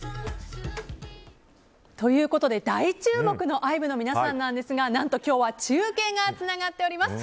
ということで大注目のＩＶＥの皆さんに何と今日は中継がつながっております。